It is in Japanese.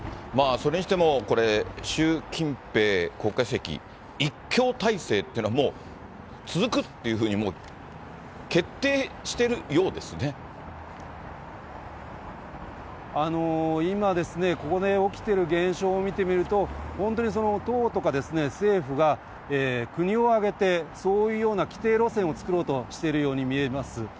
それにしてもこれ、習近平国家主席一強体制っていうのは、もう続くっていうふうに、今、ここで起きている現象を見てみると、本当に党とか政府が国を挙げて、そういうような既定路線を作ろうとしているように見えます。